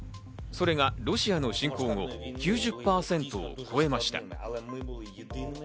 それがロシアの侵攻後、９０％を超えました。